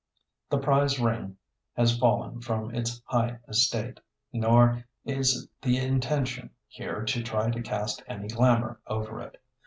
The prize ring has fallen from its high estate, nor is it the intention here to try to cast any glamour over it.